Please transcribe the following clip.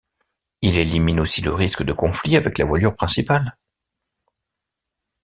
Il élimine aussi le risque de conflit avec la voilure principale.